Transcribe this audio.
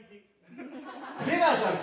出川さん